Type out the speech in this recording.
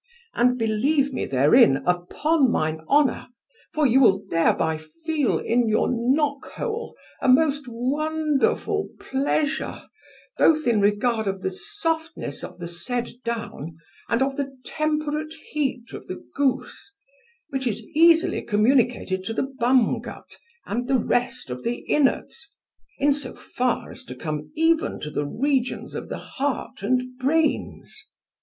And believe me therein upon mine honour, for you will thereby feel in your nockhole a most wonderful pleasure, both in regard of the softness of the said down and of the temporate heat of the goose, which is easily communicated to the bum gut and the rest of the inwards, in so far as to come even to the regions of the heart and brains.